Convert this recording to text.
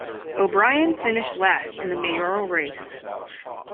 O'Brien finished last in the mayoral race.